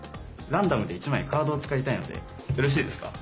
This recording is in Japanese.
ランダムで１枚カードを使いたいのでよろしいですか？